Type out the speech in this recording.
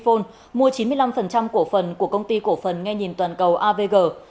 và đặc biệt là cần phải làm tốt công tác thuyền để vận động nhân dân không tham gia